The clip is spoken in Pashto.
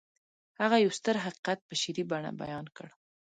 هغه يو ستر حقيقت په شعري بڼه بيان کړ.